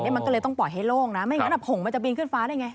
ไม่อย่างนั้นหงมันจะบีนขึ้นฟ้าได้ไง